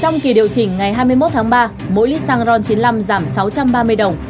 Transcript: trong kỳ điều chỉnh ngày hai mươi một tháng ba mỗi lít xăng ron chín mươi năm giảm sáu trăm ba mươi đồng